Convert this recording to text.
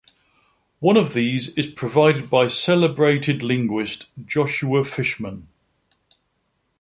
One of these is provided by celebrated linguist Joshua Fishman.